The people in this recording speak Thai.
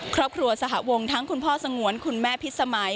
ครอบครัวสหวงทั้งคุณพ่อสงวนคุณแม่พิษสมัย